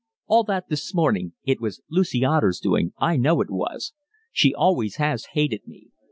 All that this morning, it was Lucy Otter's doing, I know it was. She always has hated me.